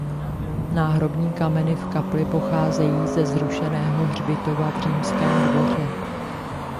Náhrobní kameny v kapli pocházejí ze zrušeného hřbitova v Římském dvoře.